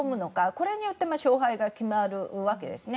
これによって勝敗が決まるわけですね。